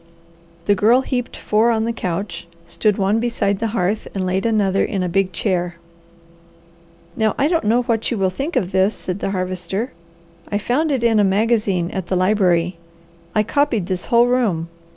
The Girl heaped four on the couch, stood one beside the hearth, and laid another in a big chair. "Now I don't know what you will think of this," said the Harvester. "I found it in a magazine at the library. I copied this whole room.